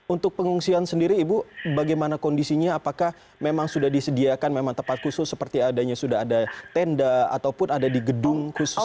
untuk pengungsian sendiri ibu bagaimana kondisinya apakah memang sudah disediakan memang tempat khusus seperti adanya sudah ada tenda ataupun ada di gedung khusus